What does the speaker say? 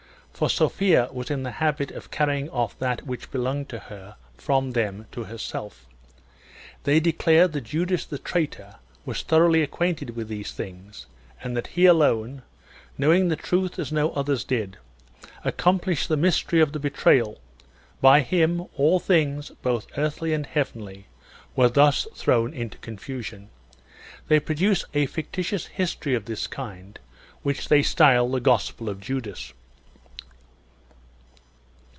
For Sophia was in the habit of carrying off that which belonged to her from them to herself. They declare that Judas the traitor was thoroughly acquainted with these things, and that he alone, knowing the truth as no others did, accomplished the mystery of the betrayal ; by him all things, both earthly and heavenly, were thus thrown into confusion. They produce a fictitious history of this kind, which they style the Gospel of Judas.